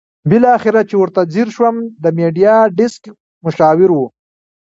بالاخره چې ورته ځېر شوم د میډیا ډیسک مشاور وو.